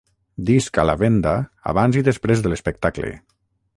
Disc a la venda abans i després de l'espectacle.